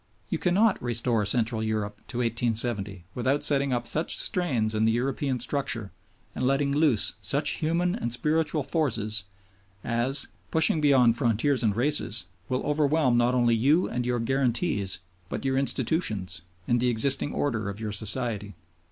You cannot restore Central Europe to 1870 without setting up such strains in the European structure and letting loose such human and spiritual forces as, pushing beyond frontiers and races, will overwhelm not only you and your "guarantees," but your institutions, and the existing order of your Society.